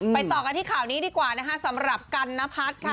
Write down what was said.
ต่อกันที่ข่าวนี้ดีกว่านะคะสำหรับกันนพัฒน์ค่ะ